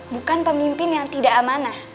bukan pemimpin yang tidak amanah